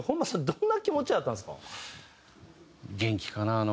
どんな気持ちやったんですか？